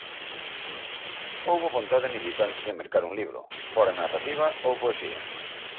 Houbo vontade militante de mercar un libro, fora narrativa ou poesía.